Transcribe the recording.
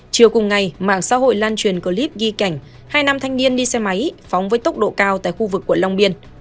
chiều cùng ngày mạng xã hội lan truyền clip ghi cảnh hai nam thanh niên đi xe máy phóng với tốc độ cao tại khu vực quận long biên